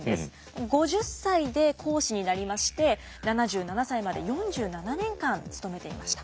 ５０歳で講師になりまして７７歳まで４７年間勤めていました。